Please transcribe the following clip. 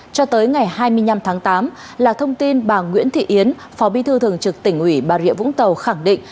cho tới ngày hai mươi năm tháng tám là thông tin bà nguyễn thị yến phó bí thư thường trực tỉnh ủy bà rịa vũng tàu khẳng định